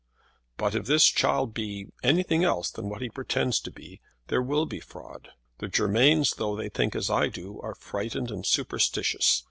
"But if this child be anything else than what he pretends to be, there will be fraud. The Germains, though they think as I do, are frightened and superstitious.